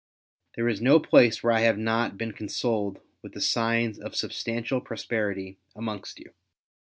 There is no place where I have not been consoled with the signs of substantial prosperity amongst you.